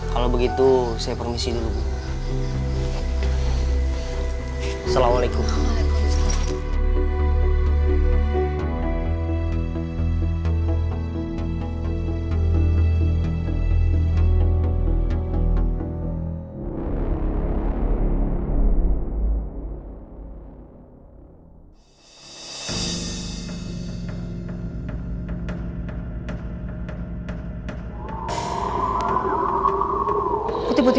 kalau begitu saya permisi dulu bu